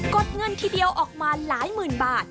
ดเงินทีเดียวออกมาหลายหมื่นบาท